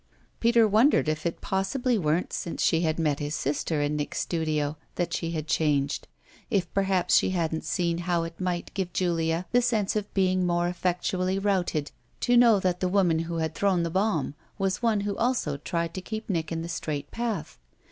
Peter wondered if it possibly weren't since she had met his sister in Nick's studio that she had changed, if perhaps she hadn't seen how it might give Julia the sense of being more effectually routed to know that the woman who had thrown the bomb was one who also tried to keep Nick in the straight path.